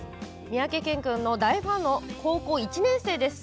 三宅健君の大ファンの高校１年生です！